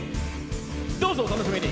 どうぞお楽しみに！